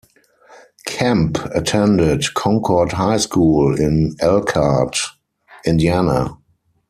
Kemp attended Concord High School in Elkhart, Indiana.